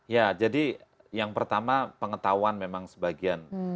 ya jadi yang pertama pengetahuan memang sebagian